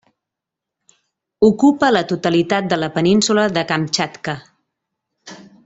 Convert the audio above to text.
Ocupa la totalitat de la península de Kamtxatka.